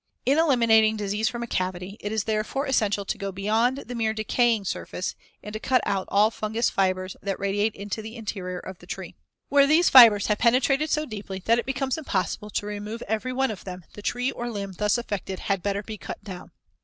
In eliminating disease from a cavity, it is, therefore, essential to go beyond the mere decaying surface and to cut out all fungous fibers that radiate into the interior of the tree. Where these fibers have penetrated so deeply that it becomes impossible to remove every one of them, the tree or limb thus affected had better be cut down.